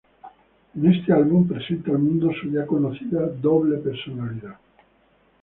En este álbum presenta al mundo su ya conocida "doble personalidad".